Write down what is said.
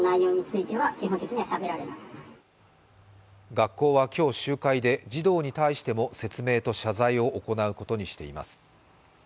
学校は、今日集会で児童に対しても説明と謝罪を行うことにしています。